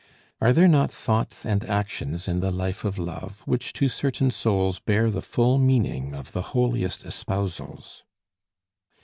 Are there not thoughts and actions in the life of love which to certain souls bear the full meaning of the holiest espousals?